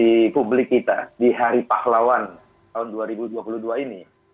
di publik kita di hari pahlawan tahun dua ribu dua puluh dua ini